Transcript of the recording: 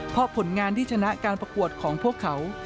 เพราะผลงานที่ชนะการประกวดของพวกเขา